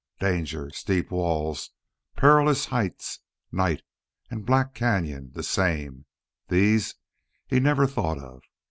Danger, steep walls, perilous heights, night, and black cañon the same these he never thought of.